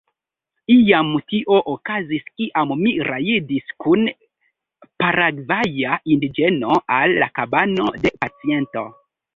Iam tio okazis, kiam mi rajdis kun paragvaja indiĝeno al la kabano de paciento.